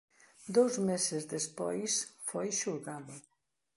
Dous meses despois foi xulgado.